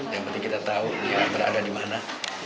yang penting kita tahu dia berada di mana